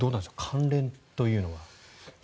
関連というのは。